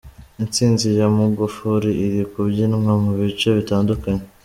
Intsinzi ya Magufuli iri kubyinwa mu bice bitandukanye.